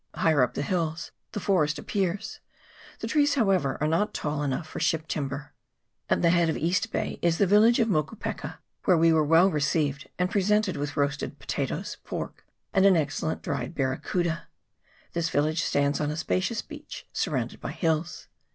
Higher up the hills the forest appears ; the trees, however, are not tall enough for ship timber. At the head of East Bay is the village of Moku peka, where we were well received, and presented with roasted potatoes, pork, and an excellent dried barracuda. This village stands on a spacious beach, surrounded by hills.